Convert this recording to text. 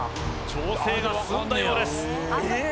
調整が済んだようですええ